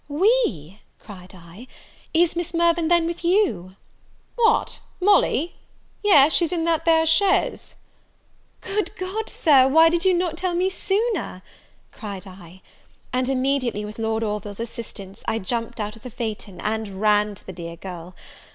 "We!" cried I: "Is Miss Mirvan, then, with you?" "What, Molly? yes, she's in that there chaise." "Good God, Sir, why did you not tell me sooner?" cried I; and immediately, with Lord Orville's assistance, I jumped out of the phaeton, and ran to the dear girl.